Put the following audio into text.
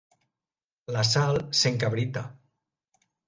La Sal s'encabrita.